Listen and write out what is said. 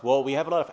tâm hồn tốt